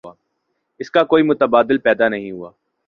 اس کا کوئی متبادل پیدا نہیں ہوا۔